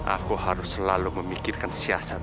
aku harus selalu memikirkan siasat